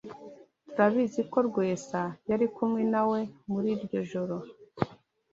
Turabizi ko Rwesa yari kumwe nawe muri iryo joro.